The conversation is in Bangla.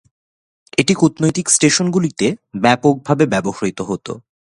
এটি কূটনৈতিক স্টেশনগুলিতে ব্যাপকভাবে ব্যবহৃত হত।